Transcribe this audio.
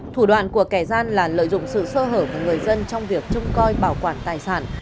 thủ đoạn của kẻ gian là lợi dụng sự sơ hở của người dân trong việc trông coi bảo quản tài sản